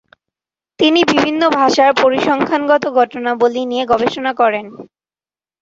তিনি বিভিন্ন ভাষার পরিসংখ্যানগত ঘটনাবলী নিয়ে গবেষণা করেন।